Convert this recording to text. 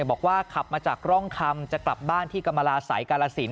บอกว่าขับมาจากร่องคำจะกลับบ้านที่กรรมราศัยกาลสิน